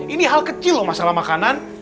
ini hal kecil loh masalah makanan